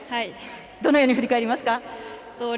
どのように振り返りますか。